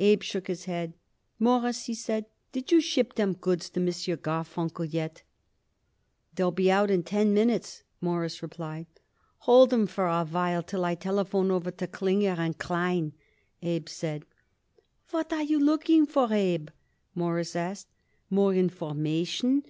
Abe shook his head. "Mawruss," he said, "did you ship them goods to M. Garfunkel yet?" "They'll be out in ten minutes," Morris replied. "Hold 'em for a while till I telephone over to Klinger & Klein," Abe said. "What you looking for, Abe?" Morris asked. "More information?